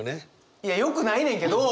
いやよくないねんけど！